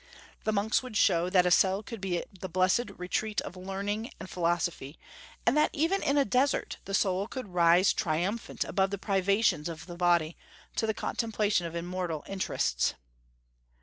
The monks would show that a cell could be the blessed retreat of learning and philosophy, and that even in a desert the soul could rise triumphant above the privations of the body, to the contemplation of immortal interests.